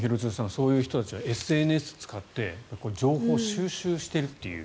そういう人たちはＳＮＳを使って情報を収集していると。